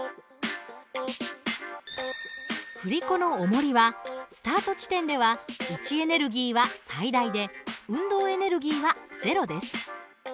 振り子のおもりはスタート地点では位置エネルギーは最大で運動エネルギーはゼロです。